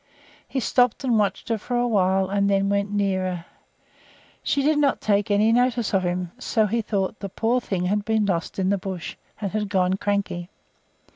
He stopped and watched her for a while and then went nearer. She did not take any notice of him, so he thought the poor thing had been lost in the bush, and had gone cranky.